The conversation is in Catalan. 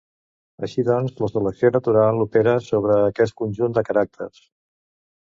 Així doncs, la selecció natural opera sobre aquest conjunt de caràcters.